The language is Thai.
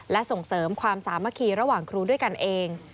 และส่งเสริมความสามัคคีระหว่างครูด้วยกันเอง